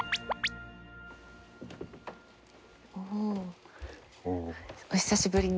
おおお久しぶりに。